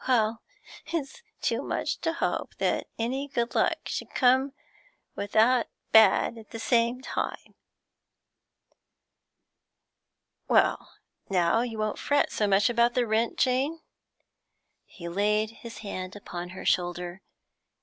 Well, it's too much to hope that any good luck should come without bad at the same time.' 'Well, now you won't fret so much about the rent, Jane?' He laid his hand upon her shoulder.